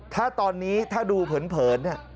ถ้าตอนนี้ถ้าดูเผินเนี่ย